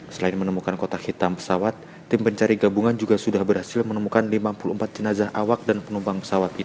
selain menemukan kotak hitam pesawat tim pencari gabungan juga sudah berhasil menemukan lima puluh empat jenazah awak dan penumpang pesawat